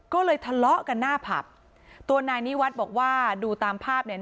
ก็เลยทะเลาะกันหน้าผับตัวนายนิวัฒน์บอกว่าดูตามภาพเนี่ย